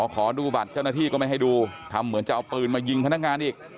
ขอดูบัตรเจ้าหน้าที่ก็ไม่ให้ดูทำเหมือนจะเอาปืนมายิงพนักงานอีก